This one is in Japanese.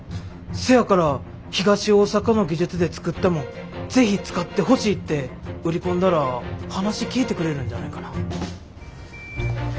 せやから東大阪の技術で作ったもんを是非使ってほしいって売り込んだら話聞いてくれるんじゃないかな。